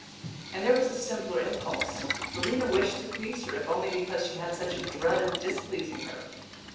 And there was a simpler impulse; Verena wished to please her if only because she had such a dread of displeasing her.